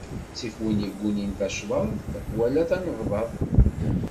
Ttif win iggunin tacḍaḍt, wala tanebḍaḍt.